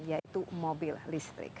yaitu mobil listrik